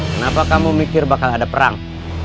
kenapa kamu mikir bakal ada perang